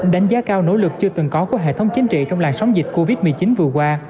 đánh giá cao nỗ lực chưa từng có của hệ thống chính trị trong làn sóng dịch covid một mươi chín vừa qua